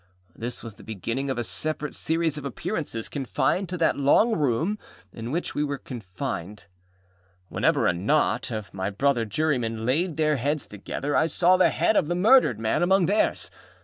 This was the beginning of a separate series of appearances, confined to that long room in which we were confined. Whenever a knot of my brother jurymen laid their heads together, I saw the head of the murdered man among theirs.